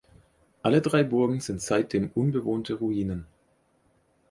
Alle drei Burgen sind seitdem unbewohnte Ruinen.